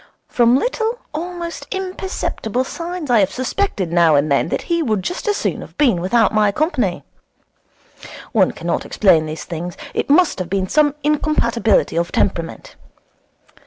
From little, almost imperceptible signs I have suspected now and then that he would just as soon have been without my company. One cannot explain these things. It must have been some incompatibility of temperament.